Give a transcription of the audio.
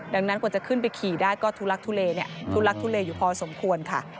ดังนั้นกว่าจะขึ้นไปขี่ได้ก็ทุลักทุเลทุลักทุเลอยู่พอสมควรค่ะ